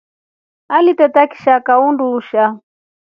Aliteta kishaka undusha.